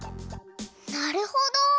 なるほど！